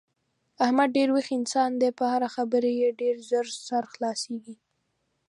احمد ډېر ویښ انسان دی په هره خبره یې ډېر زر سر خلاصېږي.